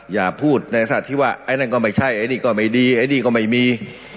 อย่าพูดในสัตว์ที่ว่าไอ้นั่นก็ไม่ใช่ไอ้นี่ก็ไม่ดีไอ้นี่ก็ไม่มี